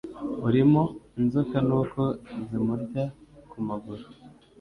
urimo inzoka nuko zimurya ku maguru